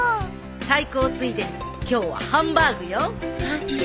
最高ついでに今日はハンバーグよ。